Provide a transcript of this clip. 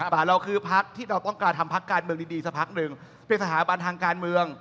แต่เราคือพักที่เราต้องการทำพักการเมืองดีสักพักหนึ่งเป็นสถาบันทางการเมือง